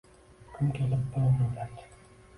Kun kelib, bu millat